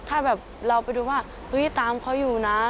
ถ้าแบบเราไปดูว่าเฮ้ยตามเขาอยู่นะ